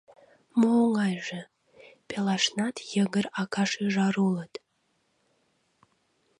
Мо оҥайже — пелашнат йыгыр ака-шӱжар улыт.